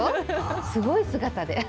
すごい姿で。